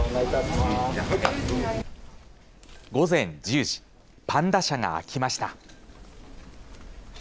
午前１０時、パンダ舎が開きました。